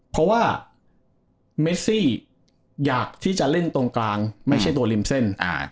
เพราะว่าเมซี่อยากที่จะเล่นตรงกลางไม่ใช่ตัวริมเส้น